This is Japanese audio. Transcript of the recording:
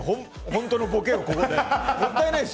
本当のボケをここで。